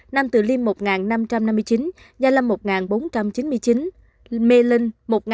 nam tử liêm một năm trăm năm mươi chín gia lâm một bốn trăm chín mươi chín mê linh một ba trăm ba mươi tám